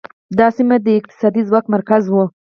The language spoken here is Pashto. دا سیمه د اقتصادي ځواک مرکز و